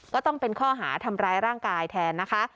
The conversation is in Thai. ก็ต้องเป็นข้อหาทำร้ายร่างกายแทนนะคะ